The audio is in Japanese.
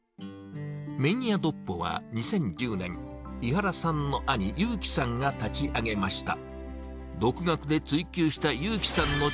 麺や独歩は２０１０年、井原さんの兄、優樹さんが立ち上げました。